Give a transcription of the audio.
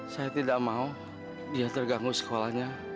saya tidak mau dia terganggu sekolahnya